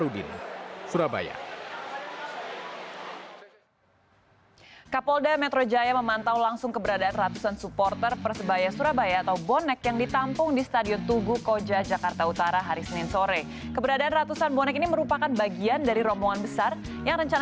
dengan kereta api dari stasiunnya